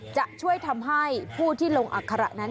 จะช่วยทำให้ผู้ที่ลงอัคระนั้น